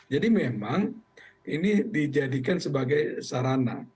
jadi memang ini dijadikan sebagai sarana